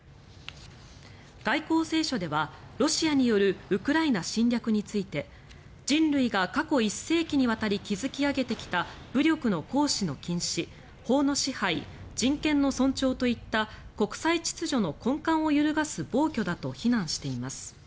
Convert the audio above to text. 外交青書ではロシアによるウクライナ侵略について人類が過去１世紀にわたり築き上げてきた武力の行使の禁止、法の支配人権の尊重といった国際秩序の根幹を揺るがす暴挙だと非難しています。